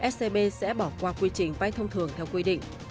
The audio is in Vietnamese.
scb sẽ bỏ qua quy trình bay thông thường theo quy định